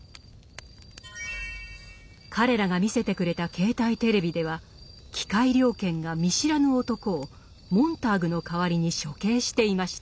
彼らが見せてくれた携帯テレビでは機械猟犬が見知らぬ男をモンターグの代わりに処刑していました。